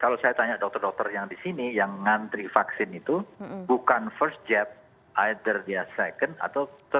kalau saya tanya dokter dokter yang di sini yang ngantri vaksin itu bukan first jab either dia second atau